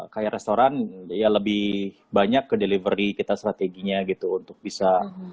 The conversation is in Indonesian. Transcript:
kayak restoran ya lebih banyak ke delivery kita strateginya gitu untuk bisa